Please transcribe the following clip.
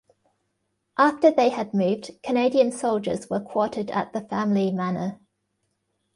After they had moved, Canadian soldiers were quartered at the family manor.